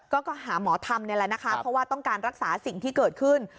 ก็หาหมอทำนี่แหละนะคะเพราะว่าต้องการรักษาสิ่งที่เกิดขึ้น